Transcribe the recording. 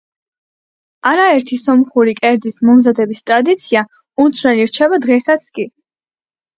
არაერთი სომხური კერძის მომზადების ტრადიცია უცვლელი რჩება დღესაც კი.